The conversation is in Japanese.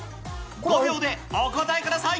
５秒でお答えください。